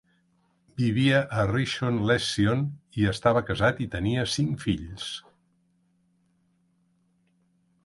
Vivia a Rishon LeZion i estava casat i tenia cinc fills.